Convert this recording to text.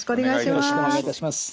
よろしくお願いします。